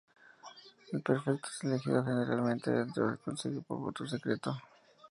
El prefecto es elegido generalmente dentro del consejo por voto secreto.